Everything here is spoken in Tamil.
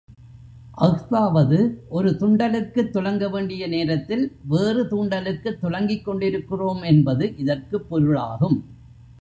அஃதாவது, ஒரு துண்டலுக்குத் துலங்கவேண்டிய நேரத்தில் வேறு துாண்டலுக்குத் துலங்கிக்கொண்டிருக்கிறோம் என்பது இதற்குப் பொருளாகும்.